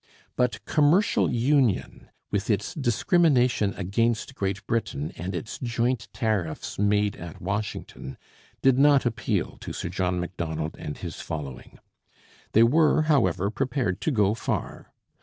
But commercial union, with its discrimination against Great Britain and its joint tariffs made at Washington, did not appeal to Sir John Macdonald and his following. They were, however, prepared to go far.